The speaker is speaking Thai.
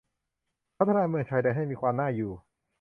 พัฒนาเมืองชายแดนให้มีความน่าอยู่